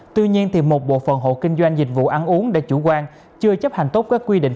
tuy nhiên một bộ phận hộ kinh doanh dịch vụ ăn uống đã chủ quan chưa chấp hành tốt các quy định